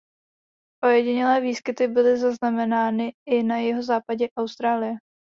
Ojedinělé výskyty byly zaznamenány i na jihozápadě Austrálie.